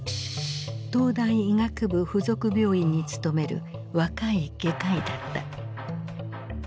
東大医学部附属病院に勤める若い外科医だった。